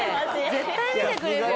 絶対見てくれるよ。